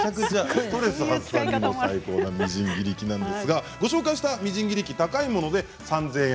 ストレス発散にもなるみじん切り器なんですがご紹介したものは高いもので３０００円。